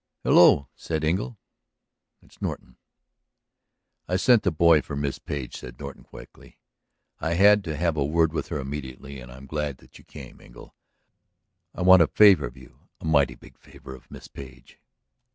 "Hello," said Engle, "it's Norton." "I sent the boy for Miss Page," said Norton quickly. "I had to have a word with her immediately. And I'm glad that you came, Engle. I want a favor of you; a mighty big favor of Miss Page."